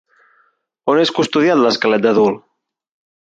On és custodiat l'esquelet d'adult?